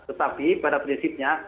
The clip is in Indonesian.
tetapi pada prinsipnya